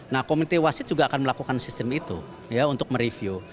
nah komite wasit juga akan melakukan sistem itu ya untuk mereview